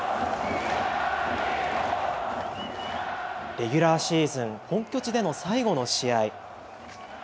レギュラーシーズン、本拠地での最後の試合。